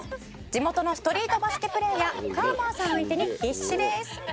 「地元のストリートバスケプレーヤーＫＡーＭＡーさん相手に必死です」